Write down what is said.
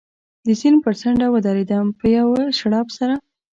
د سیند پر څنډه و درېدم، په یوه شړپ سره.